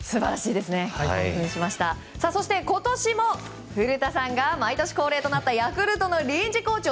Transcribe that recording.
そして今年も古田さん毎年恒例となったヤクルト臨時コーチを